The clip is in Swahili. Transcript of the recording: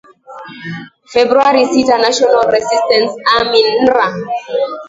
februari sita national resistance army nra